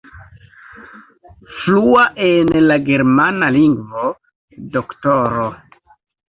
Flua en la germana lingvo, Dro.